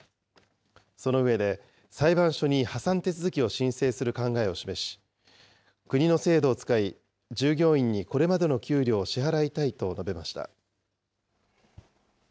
その上で、裁判所に破産手続きを申請する考えを示し、国の制度を使い、従業員にこれまでの給料を支払いたいと述べました。